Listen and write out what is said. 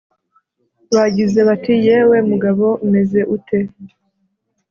Bagize bati: yewe mugabo umeze ute